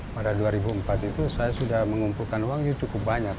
pada dua ribu empat itu saya sudah mengumpulkan uang cukup banyak